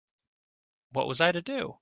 What was I to do?